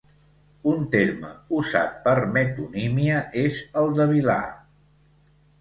Un terme usat per metonímia és el de vilà.